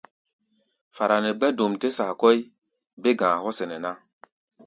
Fara nɛ gbɛ̧́-dom dé saa kɔ́ʼí, bé-ga̧a̧ hɔ́ sɛnɛ ná.